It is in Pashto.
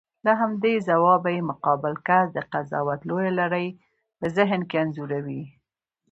له همدې ځوابه یې مقابل کس د قضاوت لویه لړۍ په ذهن کې انځوروي.